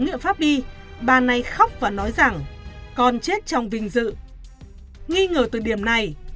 nghiệm pháp y bà này khóc và nói rằng con chết trong vinh dự nghĩ ngờ từ điểm này